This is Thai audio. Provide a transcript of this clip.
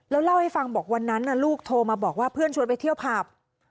แล้วเล่าให้ฟังบอกวันนั้นลูกโทรมาบอกว่าเพื่อนชวนไปเที่ยวผับ